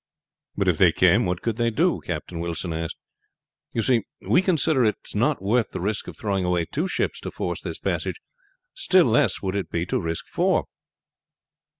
"But if they came what could they do?" Captain Wilson asked. "You see we consider it is not worth the risk of throwing away two ships two force this passage, still less would it be to risk four."